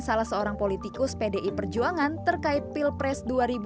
salah seorang politikus pdi perjuangan terkait pilpres dua ribu dua puluh